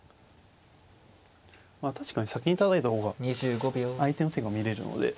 まあ確かに先にたたいた方が相手の手が見れるので。